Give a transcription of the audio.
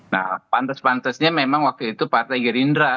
nah pantas pantasnya memang waktu itu partai gerindra